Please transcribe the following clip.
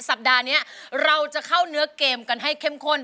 สัปดาห์นี้เราจะเข้าเนื้อเกมกันให้เข้มข้น